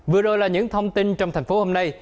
vừa rồi là những thông tin trong thành phố hôm nay